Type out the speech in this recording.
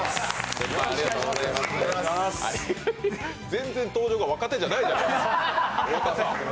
全然登場が若手じゃないじゃないですか！